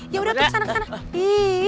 ya udah untuk sana sana